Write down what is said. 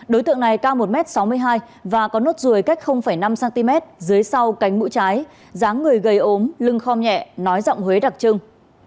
đối tượng này cao một m sáu mươi hai và có nốt ruồi cách năm cm dưới sau cánh mũi trái ráng người gầy ốm lưng khom nhẹ nói giọng huế đặc trưng